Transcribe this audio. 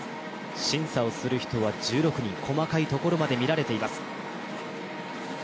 審査をする人は１６人、細かいところまで見られています。